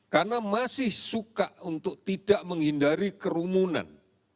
karena masih suka untuk tidak menghindari kerumunan